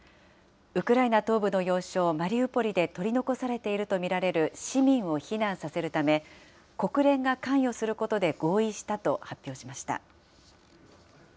ウクライナ東部の要衝、マリウポリで取り残されていると見られる市民を避難させるため、国連が関与することで合意したと発表しました。